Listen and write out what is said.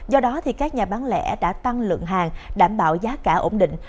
do đó các nhà bán lẻ đã tăng lượng hàng đảm bảo giá cả ổn định